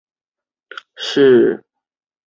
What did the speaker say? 故事就发生在录音开始的前一年。